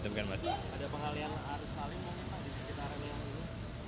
ada pengalian arus lalin di sekitar ini